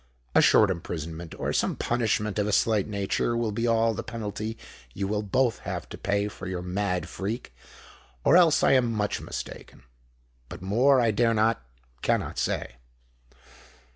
A short imprisonment—or some punishment of a slight nature, will be all the penalty you will both have to pay for your mad freak—or else I am much mistaken. But more I dare not—cannot say."